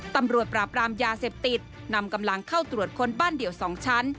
ตำรวจปราบรามยาเสพติดนำกำลังเข้าตรวจค้นบ้านเดี่ยว๒ชั้น